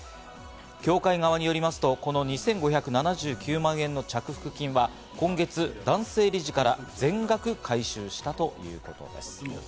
協会側によりますと、この２５７９万円の着服金は今月、男性理事から全額回収したということです。